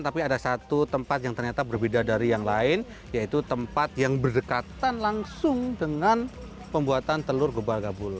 tapi ada satu tempat yang ternyata berbeda dari yang lain yaitu tempat yang berdekatan langsung dengan pembuatan telur gebal gabulu